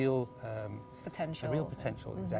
dan memiliki potensi yang benar